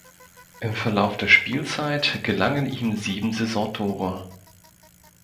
Im Verlauf der Spielzeit gelangen ihm sieben Saisontore.